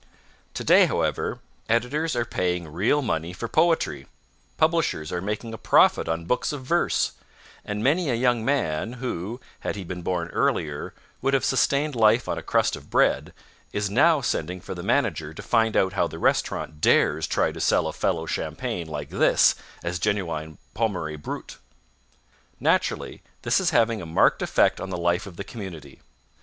Today, however, editors are paying real money for poetry; publishers are making a profit on books of verse; and many a young man who, had he been born earlier, would have sustained life on a crust of bread, is now sending for the manager to find out how the restaurant dares try to sell a fellow champagne like this as genuine Pommery Brut. Naturally this is having a marked effect on the life of the community.